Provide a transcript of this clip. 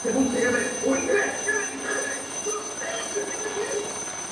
Sus filósofos de influencia son Epicuro, los estoicos, Montaigne y Spinoza.